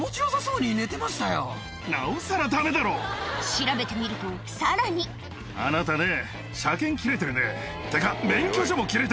調べてみるとさらにあなたね。